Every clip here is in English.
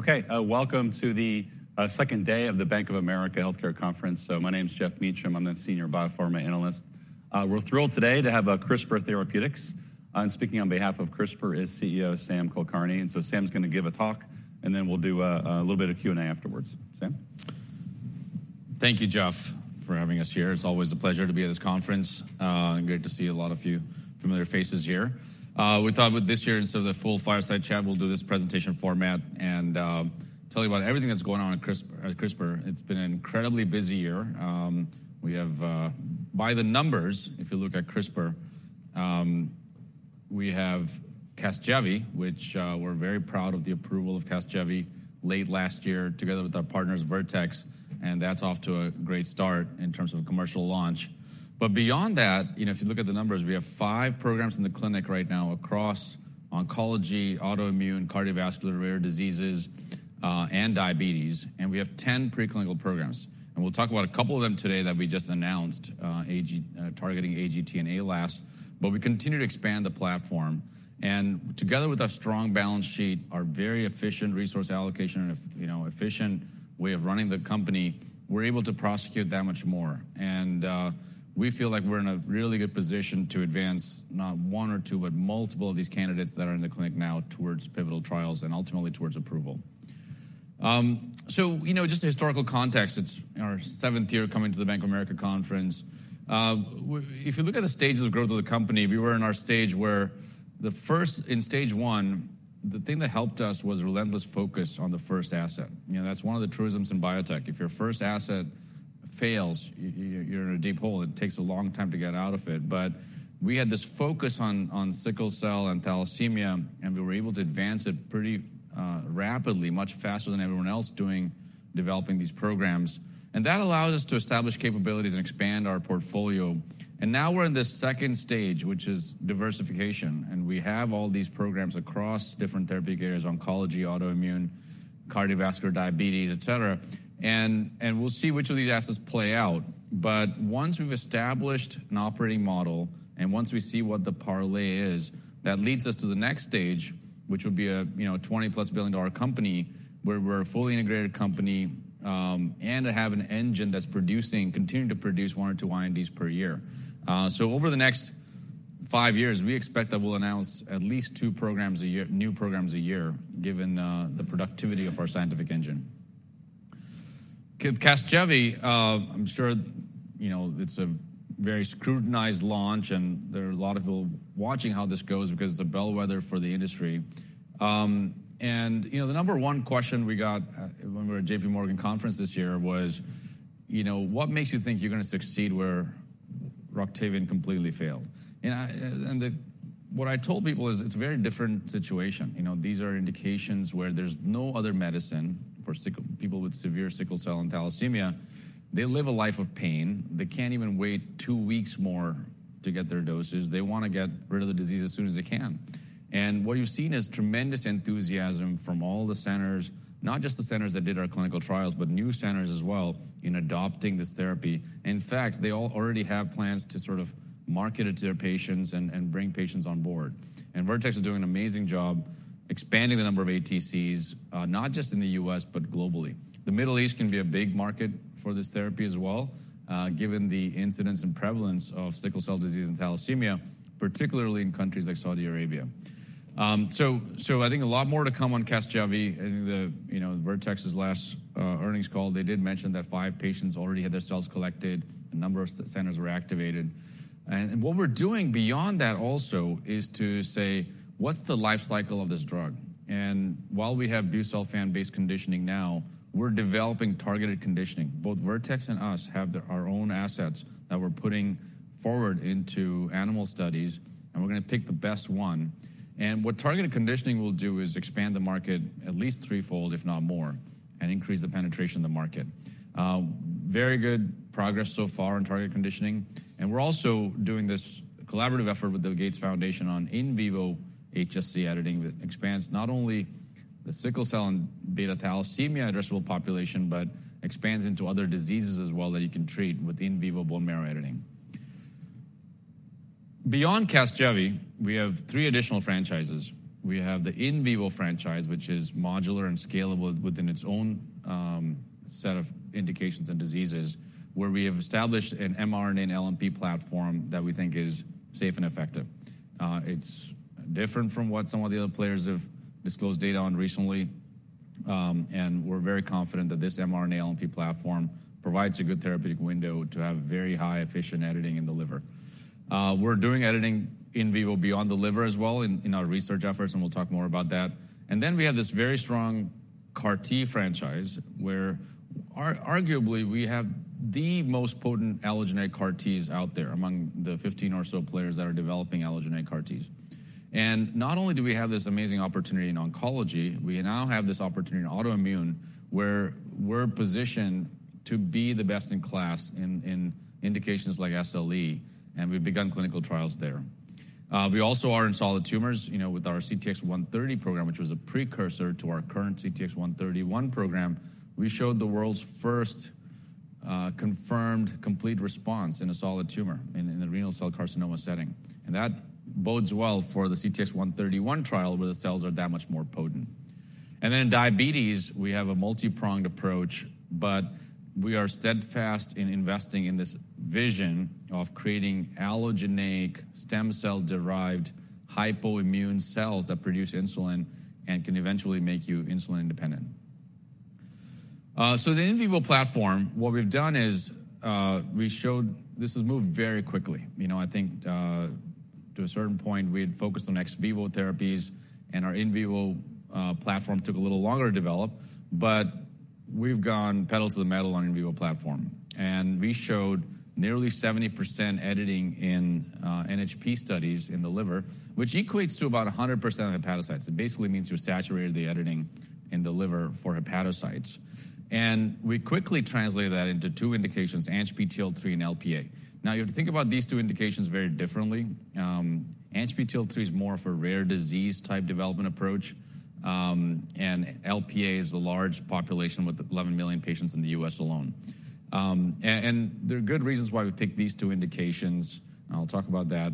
Okay, welcome to the second day of the Bank of America Healthcare Conference. So my name is Geoff Meacham. I'm the Senior Biopharma Analyst. We're thrilled today to have CRISPR Therapeutics. And speaking on behalf of CRISPR is CEO Sam Kulkarni. And so Sam's gonna give a talk, and then we'll do a little bit of Q&A afterwards. Sam? Thank you, Jeff, for having us here. It's always a pleasure to be at this conference, and great to see a lot of you familiar faces here. We thought with this year, instead of the full fireside chat, we'll do this presentation format and tell you about everything that's going on at CRISPR. It's been an incredibly busy year. We have, by the numbers, if you look at CRISPR, we have CASGEVY, which we're very proud of the approval of CASGEVY late last year, together with our partners, Vertex, and that's off to a great start in terms of commercial launch. But beyond that, you know, if you look at the numbers, we have five programs in the clinic right now across oncology, autoimmune, cardiovascular, rare diseases, and diabetes, and we have 10 preclinical programs. And we'll talk about a couple of them today that we just announced, targeting AGT and ALAS1, but we continue to expand the platform. And together with our strong balance sheet, our very efficient resource allocation, and, you know, efficient way of running the company, we're able to prosecute that much more. And we feel like we're in a really good position to advance not one or two, but multiple of these candidates that are in the clinic now towards pivotal trials and ultimately towards approval. So, you know, just a historical context, it's our seventh year coming to the Bank of America conference. If you look at the stages of growth of the company, we were in our stage where the first, in stage one, the thing that helped us was relentless focus on the first asset. You know, that's one of the truisms in biotech. If your first asset fails, you're in a deep hole. It takes a long time to get out of it. But we had this focus on sickle cell and thalassemia, and we were able to advance it pretty rapidly, much faster than everyone else developing these programs. And that allowed us to establish capabilities and expand our portfolio. And now we're in this second stage, which is diversification, and we have all these programs across different therapeutic areas, oncology, autoimmune, cardiovascular, diabetes, etc. And we'll see which of these assets play out. But once we've established an operating model, and once we see what the parlay is, that leads us to the next stage, which would be a, you know, $20+ billion company, where we're a fully integrated company, and to have an engine that's producing, continuing to produce one or two INDs per year. So over the next five years, we expect that we'll announce at least two programs a year, new programs a year, given the productivity of our scientific engine. CASGEVY, I'm sure you know, it's a very scrutinized launch, and there are a lot of people watching how this goes because it's a bellwether for the industry. And, you know, the number one question we got when we were at JPMorgan conference this year was, you know, "What makes you think you're going to succeed where ROCTAVIAN completely failed?" And I what I told people is, it's a very different situation. You know, these are indications where there's no other medicine for sickle, people with severe sickle cell and thalassemia. They live a life of pain. They can't even wait two weeks more to get their doses. They wanna get rid of the disease as soon as they can. And what you've seen is tremendous enthusiasm from all the centers, not just the centers that did our clinical trials, but new centers as well, in adopting this therapy. In fact, they all already have plans to sort of market it to their patients and, and bring patients on board. Vertex is doing an amazing job expanding the number of ATCs, not just in the U.S., but globally. The Middle East can be a big market for this therapy as well, given the incidence and prevalence of sickle cell disease and thalassemia, particularly in countries like Saudi Arabia. I think a lot more to come on CASGEVY. I think, you know, Vertex's last earnings call, they did mention that five patients already had their cells collected and number of centers were activated. What we're doing beyond that also is to say, "What's the life cycle of this drug?" While we have busulfan-based conditioning now, we're developing targeted conditioning. Both Vertex and us have our own assets that we're putting forward into animal studies, and we're gonna pick the best one. What targeted conditioning will do is expand the market at least threefold, if not more, and increase the penetration in the market. Very good progress so far in targeted conditioning, and we're also doing this collaborative effort with the Gates Foundation on in vivo HSC editing that expands not only the sickle cell and beta thalassemia addressable population, but expands into other diseases as well that you can treat with in vivo bone marrow editing. Beyond CASGEVY, we have three additional franchises. We have the in vivo franchise, which is modular and scalable within its own set of indications and diseases, where we have established an mRNA and LNP platform that we think is safe and effective. It's different from what some of the other players have disclosed data on recently, and we're very confident that this mRNA-LNP platform provides a good therapeutic window to have very high, efficient editing in the liver. We're doing editing in vivo beyond the liver as well in our research efforts, and we'll talk more about that. And then we have this very strong CAR-T franchise, where arguably, we have the most potent allogeneic CAR-Ts out there among the 15 or so players that are developing allogeneic CAR-Ts. And not only do we have this amazing opportunity in oncology, we now have this opportunity in autoimmune, where we're positioned to be the best in class in indications like SLE, and we've begun clinical trials there. We also are in solid tumors, you know, with our CTX130 program, which was a precursor to our current CTX131 program. We showed the world's first confirmed complete response in a solid tumor in the renal cell carcinoma setting. And that bodes well for the CTX131 trial, where the cells are that much more potent. And then in diabetes, we have a multipronged approach, but we are steadfast in investing in this vision of creating allogeneic stem cell-derived hypoimmune cells that produce insulin and can eventually make you insulin independent. So the in vivo platform, what we've done is, we showed. This has moved very quickly. You know, I think, to a certain point, we had focused on ex vivo therapies, and our in vivo platform took a little longer to develop, but we've gone pedal to the metal on in vivo platform. And we showed nearly 70% editing in NHP studies in the liver, which equates to about 100% of hepatocytes. It basically means you're saturated the editing in the liver for hepatocytes. And we quickly translated that into two indications, ANGPTL3 and Lp(a). Now, you have to think about these two indications very differently. ANGPTL3 is more of a rare disease-type development approach, and Lp(a) is a large population with 11 million patients in the U.S. alone. And there are good reasons why we picked these two indications, and I'll talk about that.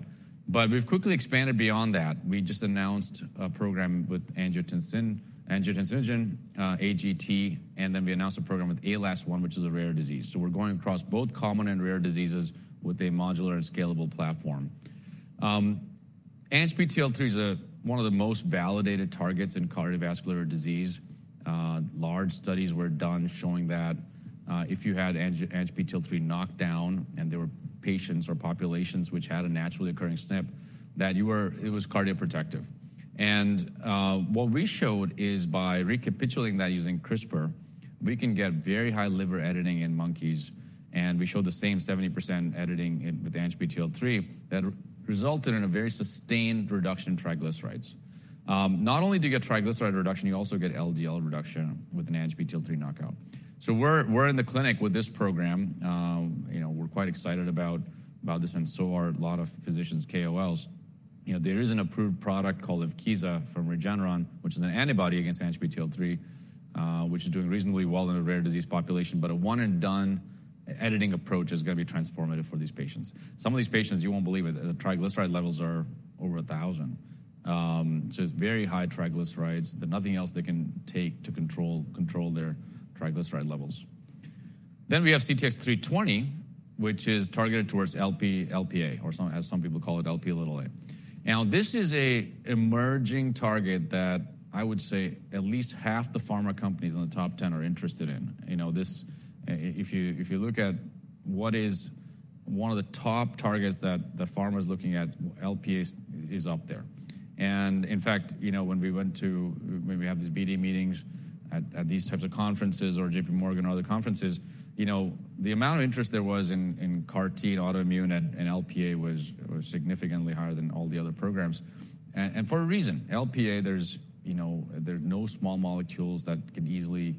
But we've quickly expanded beyond that. We just announced a program with angiotensin, angiotensinogen, AGT, and then we announced a program with ALAS1, which is a rare disease. So we're going across both common and rare diseases with a modular and scalable platform. ANGPTL3 is one of the most validated targets in cardiovascular disease. Large studies were done showing that, if you had ANGPTL3 knocked down and there were patients or populations which had a naturally occurring SNP, that it was cardioprotective. And what we showed is by recapitulating that using CRISPR, we can get very high liver editing in monkeys, and we showed the same 70% editing with ANGPTL3 that resulted in a very sustained reduction in triglycerides. Not only do you get triglyceride reduction, you also get LDL reduction with an ANGPTL3 knockout. So we're in the clinic with this program. You know, we're quite excited about, about this, and so are a lot of physicians, KOLs. You know, there is an approved product called EVKEEZA from Regeneron, which is an antibody against ANGPTL3, which is doing reasonably well in a rare disease population. But a one-and-done editing approach is gonna be transformative for these patients. Some of these patients, you won't believe it, the triglyceride levels are over 1,000. So it's very high triglycerides. There's nothing else they can take to control their triglyceride levels. Then we have CTX320, which is targeted towards Lp(a), or as some people call it, Lp(a). Now, this is an emerging target that I would say at least half the pharma companies in the top 10 are interested in. You know, this, if you look at what is one of the top targets that the pharma is looking at, Lp(a) is up there. In fact, you know, when we have these BD meetings at these types of conferences or JPMorgan or other conferences, you know, the amount of interest there was in CAR-T, autoimmune, and Lp(a) was significantly higher than all the other programs, and for a reason. Lp(a), there's, you know, there are no small molecules that can easily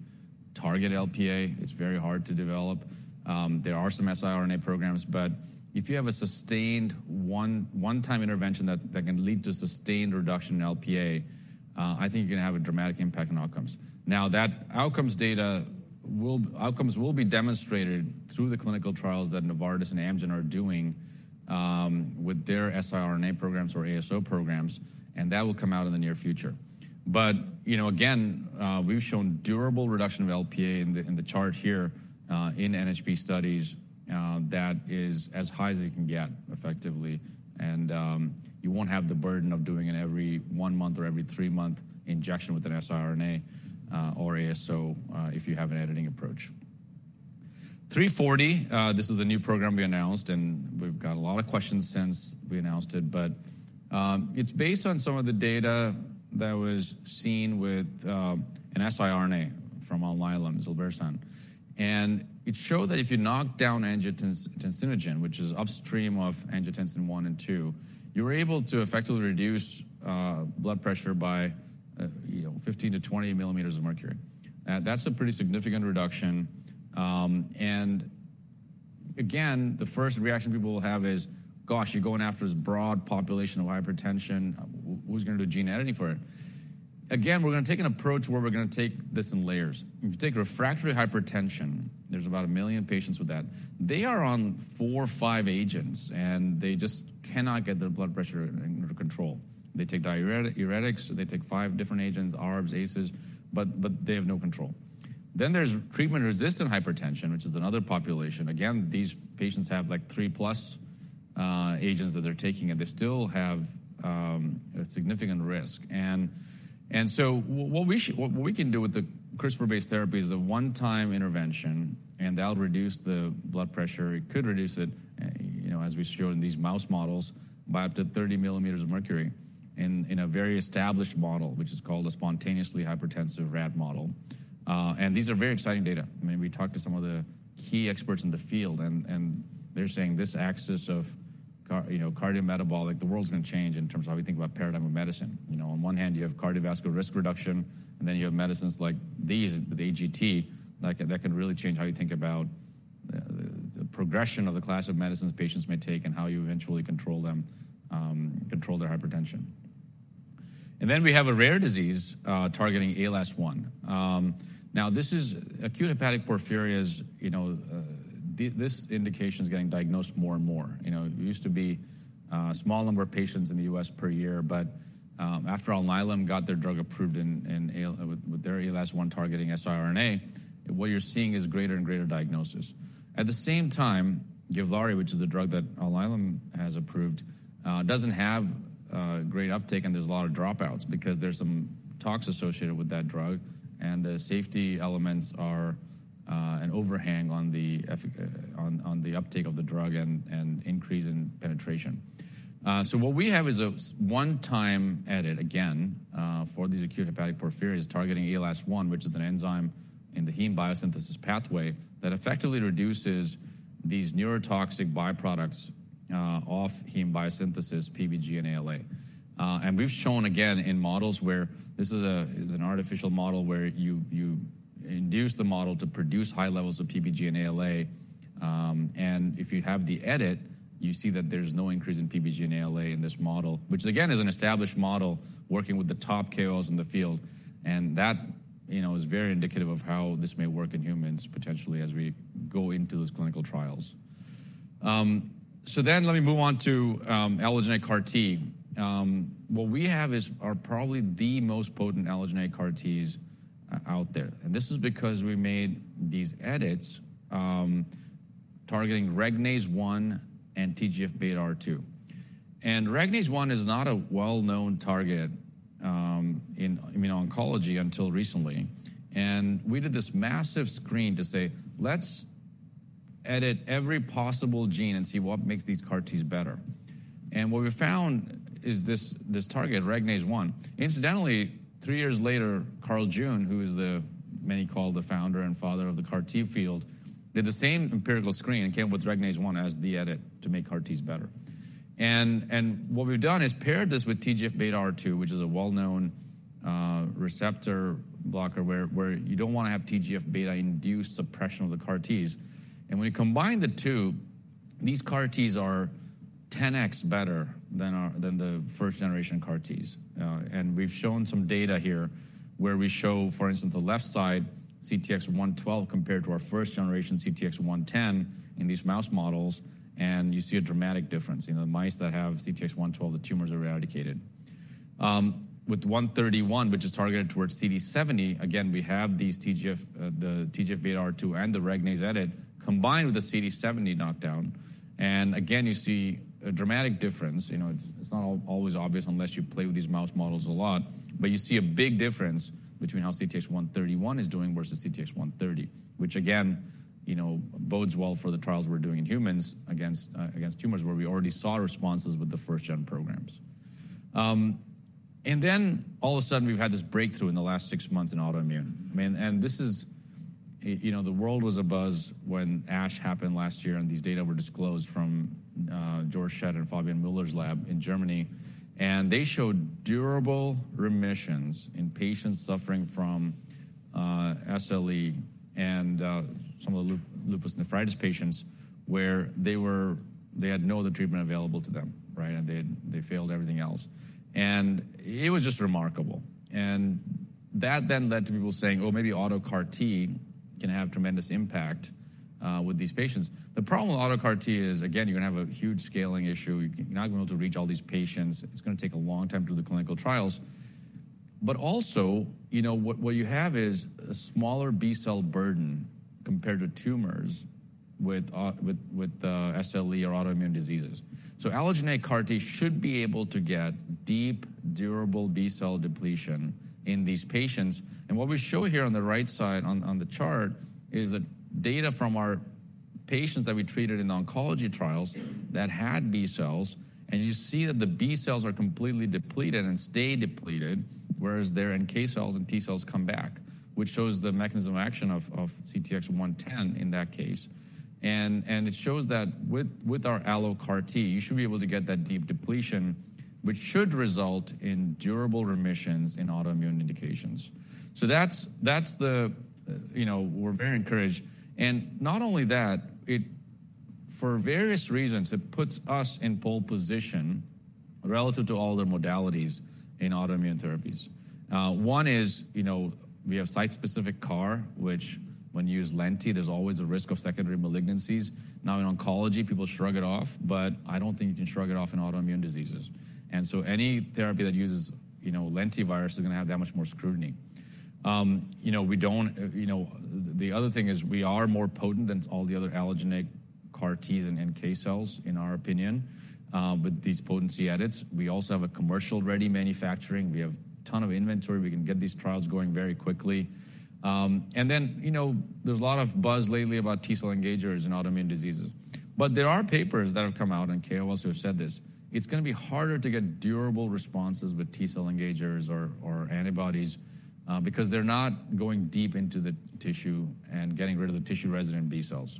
target Lp(a). It's very hard to develop. There are some siRNA programs, but if you have a sustained one-time intervention that can lead to sustained reduction in Lp(a), I think you're gonna have a dramatic impact on outcomes. Now, outcomes will be demonstrated through the clinical trials that Novartis and Amgen are doing with their siRNA programs or ASO programs, and that will come out in the near future. But, you know, again, we've shown durable reduction of Lp(a) in the, in the chart here, in NHP studies, that is as high as it can get effectively, and, you won't have the burden of doing it every 1 month or every 3-month injection with an siRNA, or ASO, if you have an editing approach. CTX340, this is a new program we announced, and we've got a lot of questions since we announced it, but, it's based on some of the data that was seen with, an siRNA from Alnylam, Zilebesiran. And it showed that if you knock down angiotensin, angiotensinogen, which is upstream of angiotensin I and II, you're able to effectively reduce, blood pressure by, you know, 15 mmmHg-20 mmHg. That's a pretty significant reduction. And again, the first reaction people will have is, "Gosh, you're going after this broad population of hypertension. Who's gonna do gene editing for it?" Again, we're gonna take an approach where we're gonna take this in layers. If you take refractory hypertension, there's about 1 million patients with that. They are on four or five agents, and they just cannot get their blood pressure under control. They take diuretics, they take five different agents, ARBs, ACEs, but they have no control. Then there's treatment-resistant hypertension, which is another population. Again, these patients have, like, three-plus agents that they're taking, and they still have a significant risk. And so what we can do with the CRISPR-based therapy is the one-time intervention, and that'll reduce the blood pressure. It could reduce it, you know, as we showed in these mouse models, by up to 30 mmHg in a very established model, which is called a spontaneously hypertensive rat model. And these are very exciting data. I mean, we talked to some of the key experts in the field, and they're saying this axis of car- you know, cardiometabolic, the world's gonna change in terms of how we think about paradigm of medicine. You know, on one hand, you have cardiovascular risk reduction, and then you have medicines like these, with AGT, that can really change how you think about the progression of the class of medicines patients may take and how you eventually control them, control their hypertension. And then we have a rare disease targeting ALAS1. Now, this is acute hepatic porphyria, you know, this indication is getting diagnosed more and more. You know, it used to be a small number of patients in the U.S. per year, but after Alnylam got their drug approved with their ALAS1 targeting siRNA, what you're seeing is greater and greater diagnosis. At the same time, GIVLAARI, which is a drug that Alnylam has approved, doesn't have great uptake, and there's a lot of dropouts because there's some tox associated with that drug, and the safety elements are an overhang on the uptake of the drug and increase in penetration. So what we have is a one-time edit, again, for these acute hepatic porphyrias targeting ALAS1, which is an enzyme in the heme biosynthesis pathway that effectively reduces these neurotoxic byproducts of heme biosynthesis, PBG and ALA. We've shown again in models where this is an artificial model where you induce the model to produce high levels of PBG and ALA, and if you have the edit, you see that there's no increase in PBG and ALA in this model, which again, is an established model working with the top KOLs in the field. That, you know, is very indicative of how this may work in humans, potentially, as we go into those clinical trials. So then let me move on to allogeneic CAR-T. What we have is, are probably the most potent allogeneic CAR-Ts out there, and this is because we made these edits, targeting Regnase-1 and TGFβR2. Regnase-1 is not a well-known target in immuno-oncology until recently. We did this massive screen to say, "Let's edit every possible gene and see what makes these CAR-Ts better." What we found is this, this target, Regnase-1. Incidentally, three years later, Carl June, who many call the founder and father of the CAR-T field, did the same empirical screen and came up with Regnase-1 as the edit to make CAR-Ts better. What we've done is paired this with TGFβR2, which is a well-known receptor blocker, where you don't want to have TGFβ-induced suppression of the CAR-Ts. When you combine the two, these CAR-Ts are 10x better than the first-generation CAR-Ts. We've shown some data here where we show, for instance, the left side, CTX112, compared to our first-generation CTX110 in these mouse models, and you see a dramatic difference. You know, the mice that have CTX112, the tumors are eradicated. With CTX131, which is targeted towards CD70, again, we have these TGF-βR2 and the Regnase-1 edit, combined with the CD70 knockdown. And again, you see a dramatic difference. You know, it's not always obvious unless you play with these mouse models a lot, but you see a big difference between how CTX131 is doing versus CTX130, which again, you know, bodes well for the trials we're doing in humans against tumors, where we already saw responses with the first-gen programs. And then all of a sudden, we've had this breakthrough in the last six months in autoimmune. I mean, and this is—you know, the world was abuzz when ASH happened last year, and these data were disclosed from, Georg Schett and Fabian Müller's lab in Germany, and they showed durable remissions in patients suffering from, SLE and, some of the lupus nephritis patients, where they were. They had no other treatment available to them, right? And they failed everything else. And it was just remarkable. And that then led to people saying, "Oh, maybe auto CAR-T can have tremendous impact, with these patients." The problem with auto CAR-T is, again, you're gonna have a huge scaling issue. You're not gonna be able to reach all these patients. It's gonna take a long time to do the clinical trials. But also, you know, what you have is a smaller B-cell burden compared to tumors with SLE or autoimmune diseases. So allogeneic CAR-T should be able to get deep, durable B-cell depletion in these patients. And what we show here on the right side on the chart is the data from our patients that we treated in the oncology trials that had B cells, and you see that the B cells are completely depleted and stay depleted, whereas their NK cells and T cells come back, which shows the mechanism of action of CTX110 in that case. And it shows that with our allo CAR-T, you should be able to get that deep depletion, which should result in durable remissions in autoimmune indications. So that's, you know, we're very encouraged. Not only that, for various reasons, it puts us in pole position relative to all other modalities in autoimmune therapies. One is, you know, we have site-specific CAR, which when you use lenti, there's always a risk of secondary malignancies. Now, in oncology, people shrug it off, but I don't think you can shrug it off in autoimmune diseases. So any therapy that uses, you know, lentivirus is gonna have that much more scrutiny. You know, the other thing is we are more potent than all the other allogeneic CAR-Ts and NK cells, in our opinion, with these potency edits. We also have commercial-ready manufacturing. We have tons of inventory. We can get these trials going very quickly. And then, you know, there's a lot of buzz lately about T cell engagers in autoimmune diseases. But there are papers that have come out, and KOs have said this. It's gonna be harder to get durable responses with T cell engagers or antibodies, because they're not going deep into the tissue and getting rid of the tissue-resident B cells.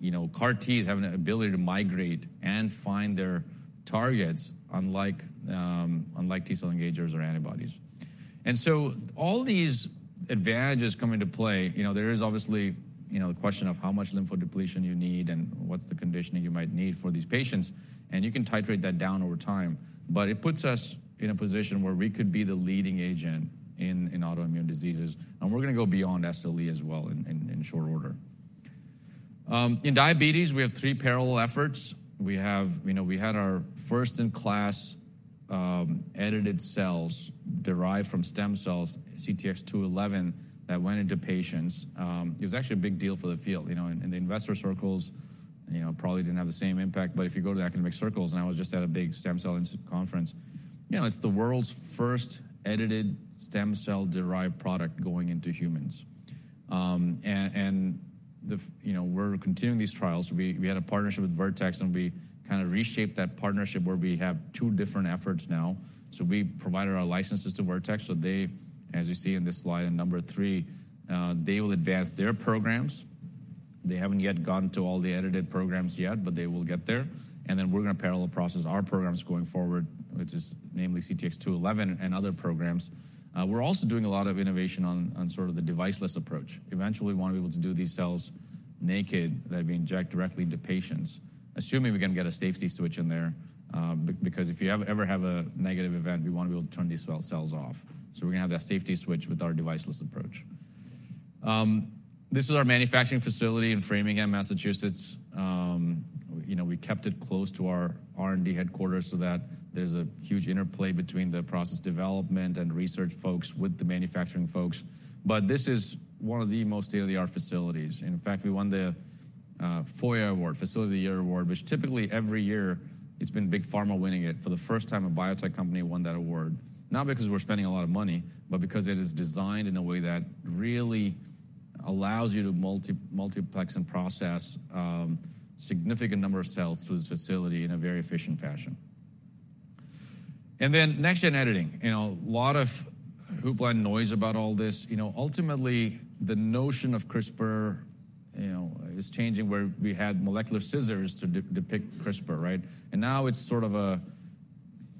You know, CAR-Ts have an ability to migrate and find their targets unlike T cell engagers or antibodies. And so all these advantages come into play, you know. There is obviously, you know, the question of how much lymphodepletion you need and what's the conditioning you might need for these patients, and you can titrate that down over time. But it puts us in a position where we could be the leading agent in autoimmune diseases, and we're going to go beyond SLE as well in short order. In diabetes, we have three parallel efforts. We have. You know, we had our first-in-class, edited cells derived from stem cells, CTX211, that went into patients. It was actually a big deal for the field. You know, in the investor circles, you know, probably didn't have the same impact, but if you go to the academic circles, and I was just at a big stem cell institute conference, you know, it's the world's first edited stem cell-derived product going into humans. You know, we're continuing these trials. We had a partnership with Vertex, and we kind of reshaped that partnership where we have two different efforts now. So we provided our licenses to Vertex, so they, as you see in this slide, in number 3, they will advance their programs. They haven't yet gotten to all the edited programs yet, but they will get there, and then we're going to parallel process our programs going forward, which is namely CTX211 and other programs. We're also doing a lot of innovation on sort of the deviceless approach. Eventually, we want to be able to do these cells naked, that we inject directly into patients, assuming we can get a safety switch in there, because if you ever have a negative event, we want to be able to turn these cells off. So we're going to have that safety switch with our deviceless approach. This is our manufacturing facility in Framingham, Massachusetts. You know, we kept it close to our R&D headquarters so that there's a huge interplay between the process development and research folks with the manufacturing folks. But this is one of the most state-of-the-art facilities. In fact, we won the FOYA award, Facility of the Year Award, which typically every year it's been big pharma winning it. For the first time, a biotech company won that award, not because we're spending a lot of money, but because it is designed in a way that really allows you to multi-multiplex and process significant number of cells through this facility in a very efficient fashion. And then next-gen editing. You know, a lot of hoopla and noise about all this. You know, ultimately, the notion of CRISPR, you know, is changing, where we had molecular scissors to depict CRISPR, right? And now it's sort of a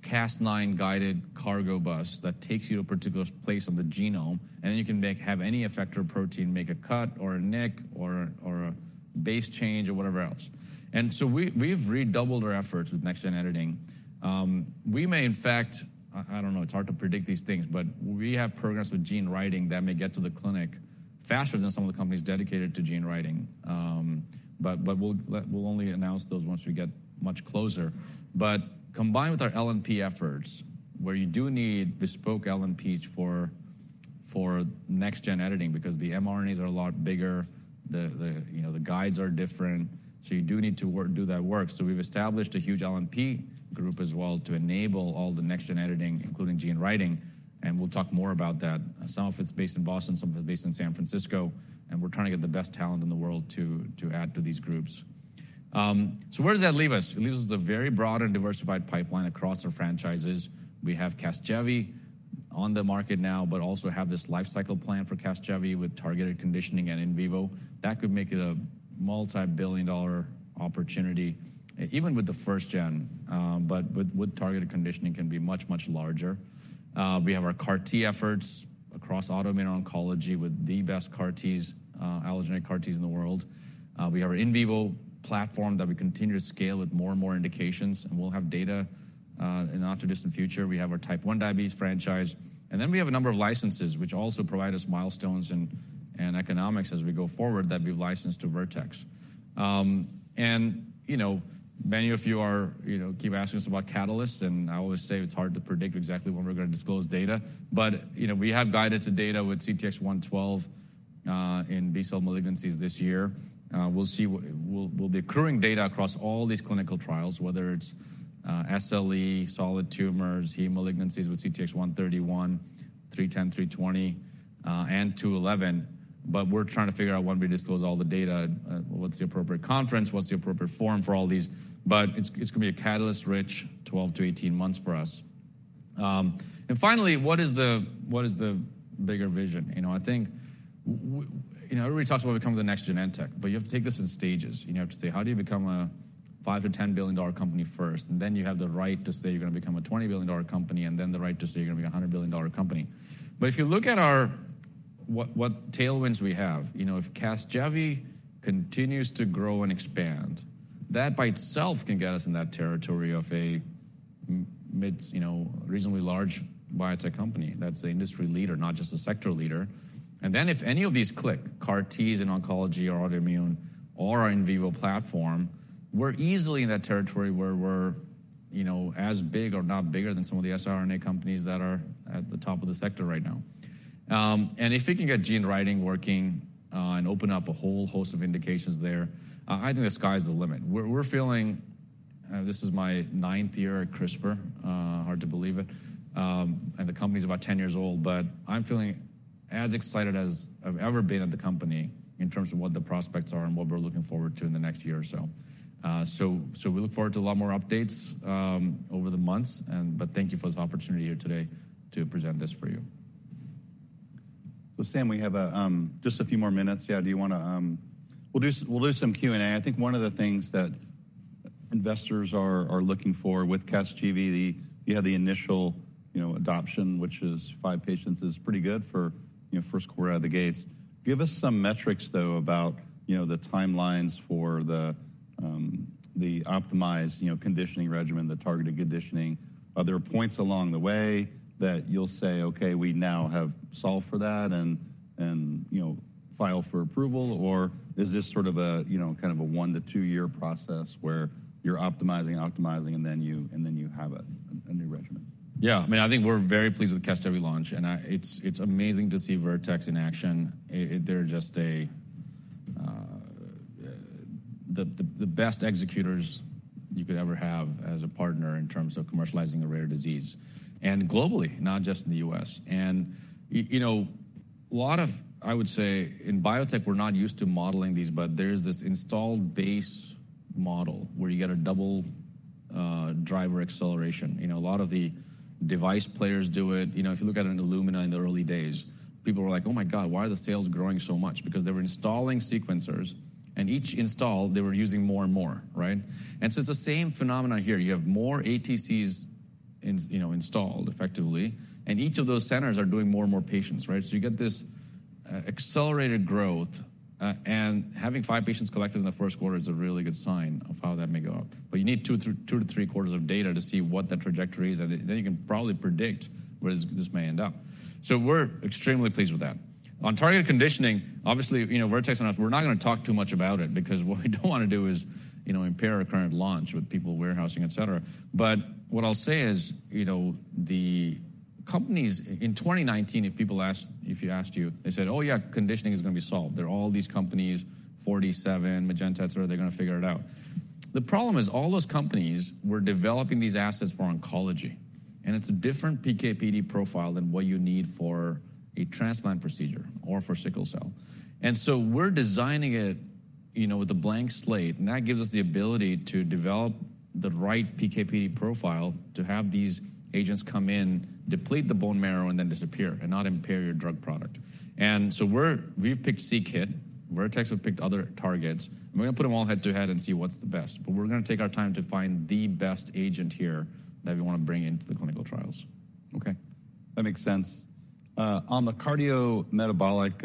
Cas9-guided cargo bus that takes you to a particular place on the genome, and then you can make, have any effector protein, make a cut or a nick or a base change or whatever else. And so we, we've redoubled our efforts with next-gen editing. We may in fact. I don't know, it's hard to predict these things, but we have progress with gene writing that may get to the clinic faster than some of the companies dedicated to gene writing. But we'll only announce those once we get much closer. But combined with our LNP efforts, where you do need bespoke LNPs for next-gen editing, because the mRNAs are a lot bigger, you know, the guides are different, so you do need to work, do that work. So we've established a huge LNP group as well to enable all the next-gen editing, including gene writing, and we'll talk more about that. Some of it's based in Boston, some of it's based in San Francisco, and we're trying to get the best talent in the world to add to these groups. So where does that leave us? It leaves us with a very broad and diversified pipeline across our franchises. We have CASGEVY on the market now, but also have this lifecycle plan for CASGEVY with targeted conditioning and in vivo. That could make it a multibillion-dollar opportunity, even with the first gen, but with targeted conditioning, can be much, much larger. We have our CAR-T efforts across autoimmune oncology with the best CAR-Ts, allogeneic CAR-Ts in the world. We have our in vivo platform that we continue to scale with more and more indications, and we'll have data in the not-too-distant future. We have our type one diabetes franchise, and then we have a number of licenses which also provide us milestones and economics as we go forward that we've licensed to Vertex. You know, many of you, you know, keep asking us about catalysts, and I always say it's hard to predict exactly when we're going to disclose data. But, you know, we have guided to data with CTX112 in B-cell malignancies this year. We'll see, we'll be accruing data across all these clinical trials, whether it's SLE, solid tumors, heme malignancies with CTX131, CTX310, CTX320, and CTX211. But we're trying to figure out when we disclose all the data, what's the appropriate conference, what's the appropriate forum for all these, but it's, it's going to be a catalyst-rich 12-18 months for us. And finally, what is the, what is the bigger vision? You know, I think, you know, everybody talks about becoming the next Genentech, but you have to take this in stages. You have to say, how do you become a $5 billion-$10 billion company first? And then you have the right to say you're going to become a $20 billion company, and then the right to say you're going to be a $100 billion company. But if you look at our— What tailwinds we have, you know, if CASGEVY continues to grow and expand, that by itself can get us in that territory of a mid, you know, reasonably large biotech company. That's an industry leader, not just a sector leader. And then, if any of these click, CAR-Ts in oncology or autoimmune or our in vivo platform, we're easily in that territory where we're, you know, as big or not bigger than some of the siRNA companies that are at the top of the sector right now. And if we can get gene writing working, and open up a whole host of indications there, I think the sky's the limit. We're feeling this is my ninth year at CRISPR, hard to believe it, and the company is about 10 years old, but I'm feeling as excited as I've ever been at the company in terms of what the prospects are and what we're looking forward to in the next year or so. So we look forward to a lot more updates over the months and but thank you for this opportunity here today to present this for you. So Sam, we have just a few more minutes. Yeah, do you wanna? We'll do, we'll do some Q&A. I think one of the things that investors are looking for with CASGEVY, the, you had the initial, you know, adoption, which is five patients, is pretty good for, you know, first quarter out of the gates. Give us some metrics, though, about, you know, the timelines for the, the optimized, you know, conditioning regimen, the targeted conditioning. Are there points along the way that you'll say, "Okay, we now have solved for that, and, you know, file for approval?" Or is this sort of a, you know, kind of a one to two-year process where you're optimizing, and then you have a new regimen? Yeah, I mean, I think we're very pleased with the CASGEVY launch, and it's amazing to see Vertex in action. They're just the best executors you could ever have as a partner in terms of commercializing a rare disease, and globally, not just in the U.S. And you know, a lot of, I would say, in biotech, we're not used to modeling these, but there's this installed base model where you get a double driver acceleration. You know, a lot of the device players do it. You know, if you look at an Illumina in the early days, people were like: "Oh, my God, why are the sales growing so much?" Because they were installing sequencers, and each install, they were using more and more, right? And so it's the same phenomenon here. You have more ATCs installed, you know, effectively, and each of those centers are doing more and more patients, right? So you get this accelerated growth, and having five patients collected in the first quarter is a really good sign of how that may go up. But you need two to three quarters of data to see what that trajectory is, and then you can probably predict where this may end up. So we're extremely pleased with that. On targeted conditioning, obviously, you know, Vertex and us, we're not gonna talk too much about it because what we don't want to do is, you know, impair our current launch with people warehousing, et cetera. But what I'll say is, you know, the companies in 2019, if people asked, if you asked you, they said, "Oh, yeah, conditioning is gonna be solved. There are all these companies, Forty Seven, Magenta, et cetera, they're gonna figure it out." The problem is all those companies were developing these assets for oncology, and it's a different PK/PD profile than what you need for a transplant procedure or for sickle cell. And so we're designing it, you know, with a blank slate, and that gives us the ability to develop the right PK/PD profile to have these agents come in, deplete the bone marrow, and then disappear, and not impair your drug product. And so we've picked c-Kit, Vertex have picked other targets, and we're gonna put them all head-to-head and see what's the best. But we're gonna take our time to find the best agent here that we wanna bring into the clinical trials. Okay, that makes sense. On the cardiometabolic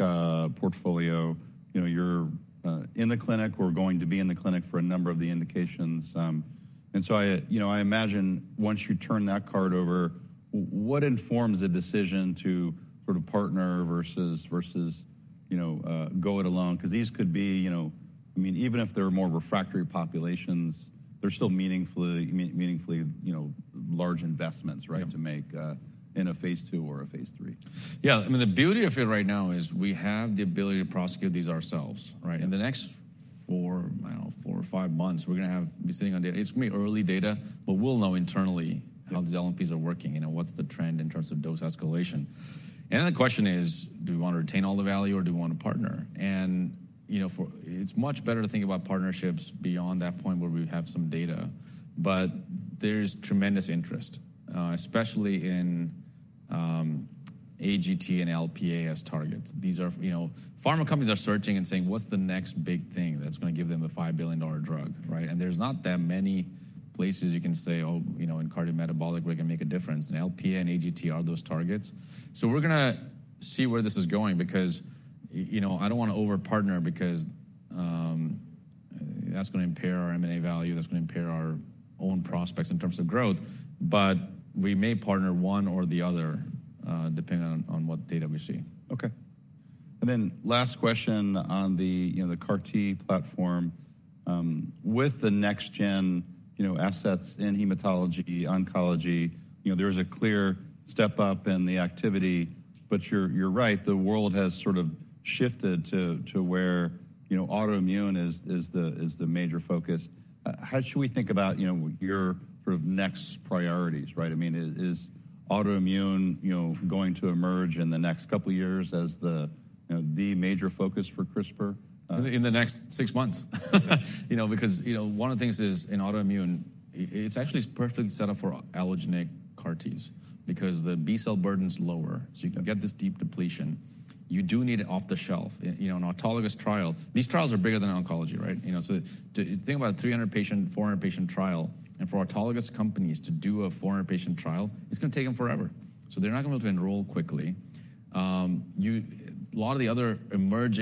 portfolio, you know, you're in the clinic or going to be in the clinic for a number of the indications. And so I, you know, I imagine once you turn that card over, what informs the decision to sort of partner versus, you know, go it alone? Because these could be, you know—I mean, even if they're more refractory populations, they're still meaningfully, you know, large investments— Yeah. To make, in a phase II or a phase III. Yeah, I mean, the beauty of it right now is we have the ability to prosecute these ourselves, right? In the next four, well, four or five months, we're gonna have, be sitting on data. It's gonna be early data, but we'll know internally— Yeah. -how these LNPs are working, you know, what's the trend in terms of dose escalation. And then the question is: do we want to retain all the value or do we want to partner? And, you know, for it's much better to think about partnerships beyond that point where we have some data. But there's tremendous interest, especially in AGT and Lp(a) as targets. These are, you know, pharma companies are searching and saying, what's the next big thing that's gonna give them a $5 billion-drug, right? And there's not that many places you can say, oh, you know, in cardiometabolic, we're gonna make a difference, and Lp(a) and AGT are those targets. So we're gonna see where this is going because, you know, I don't wanna over-partner because that's gonna impair our M&A value, that's gonna impair our own prospects in terms of growth, but we may partner one or the other, depending on what data we see. Okay. And then last question on the, you know, the CAR-T platform. With the next-gen, you know, assets in hematology, oncology, you know, there is a clear step up in the activity, but you're right, the world has sort of shifted to where, you know, autoimmune is the major focus. How should we think about, you know, your sort of next priorities, right? I mean, is autoimmune, you know, going to emerge in the next couple of years as the, you know, the major focus for CRISPR? In the next six months. You know, because, you know, one of the things is, in autoimmune, it's actually perfectly set up for allogeneic CAR Ts, because the B-cell burden is lower, so you can get this deep depletion. You do need it off the shelf. You know, an autologous trial. These trials are bigger than oncology, right? You know, so the—think about a 300-patient, 400-patient trial, and for autologous companies to do a 400-patient trial, it's gonna take them forever. So they're not going to be able to enroll quickly. You, a lot of the other emerging—